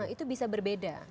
itu bisa berbeda